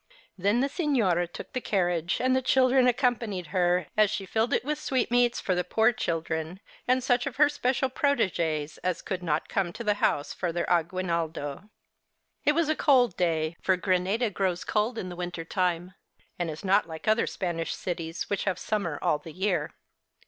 Then the senora took the carriage, and the children accompanied her, as she filled it with sweet meats for the poor children and such of her special proteges as could not come to the house for their aguinaldo. It was a cold day, for Granada grows cold in the winter time, and is not like other Spanish cities, which have summer all the year.